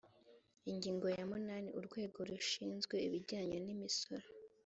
ingingo ya munani urwego rushinzwe ibijyanye n’imisoro